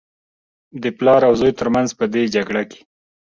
د پلار او زوى تر منځ په دې جګړه کې.